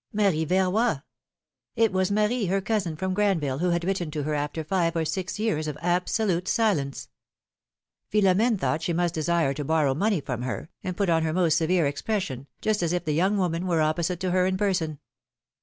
Marie Verroy!" It was Marie, her cousin from Granville, who had written to her after five or six years of absolute silence ! Philomene thought she must desire philomI:ne's mariuages. 49 to borrow money of her, and put on her most severe expression, just as if the young woman were opposite to lier in person.